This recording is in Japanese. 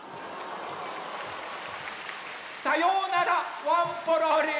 さようならワンポロリン！